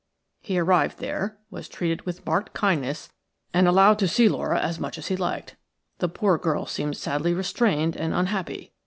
"He arrived there, was treated with marked kindness, and allowed to see Laura as much as he liked. The poor girl seemed sadly restrained and unhappy.